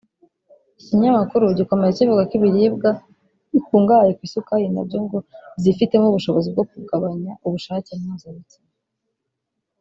Iki kinyamakuru gikomeza kivuga ko ibiribwa bikungahaye ku isukari nabyo ngo byifitemo ubushobozi bwo kugabanya ubushake mpuzabitsina